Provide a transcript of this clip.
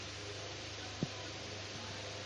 Li malsaniĝis je ĥolero kaj mortis baldaŭ en Vroclavo.